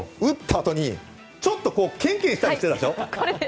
あとにちょっとケンケンしたりしてたでしょ。